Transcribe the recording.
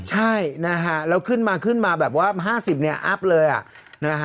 ใช่นะฮะแล้วขึ้นมาขึ้นมาแบบว่า๕๐เนี่ยอัพเลยอ่ะนะฮะ